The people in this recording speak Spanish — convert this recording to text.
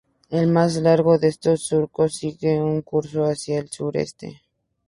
El más largo de estos surcos sigue un curso hacia el sureste.